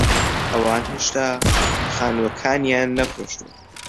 ئەوان هێشتا خانووەکانیان نەفرۆشتوون.